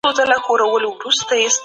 ټولنپوه د انقلابونو عمومي پايلي ارزوي.